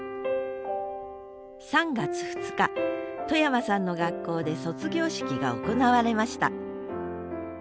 ３月２日外山さんの学校で卒業式が行われました